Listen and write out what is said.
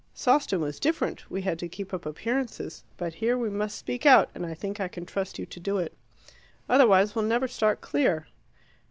Sawston was different: we had to keep up appearances. But here we must speak out, and I think I can trust you to do it. Otherwise we'll never start clear."